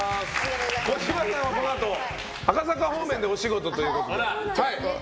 小島さんは、このあと赤坂方面でお仕事ということで。